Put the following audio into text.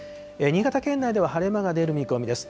新潟県内では晴れ間が出る見込みです。